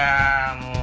もう。